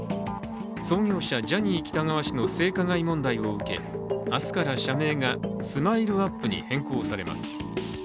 創業者・ジャニー喜多川氏の性加害問題を受け明日から社名がＳＭＩＬＥ−ＵＰ．に変更されます。